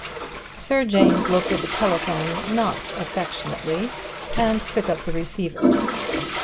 Sir James looked at the telephone, not affectionately, and took up the receiver.